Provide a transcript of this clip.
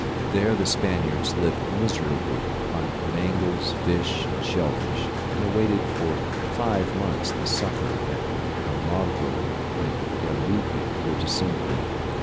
There the Spaniards lived miserably on mangles, fish, and shell fish, and awaited for five months the succour that Almagro and De Luque were to send them.